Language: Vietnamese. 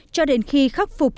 cho đến khi khắc phục